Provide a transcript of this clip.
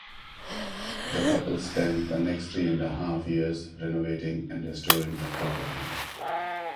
The couple spent the next three-and-a-half years renovating and restoring the property.